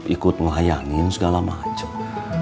ikut ngelayanin segala macem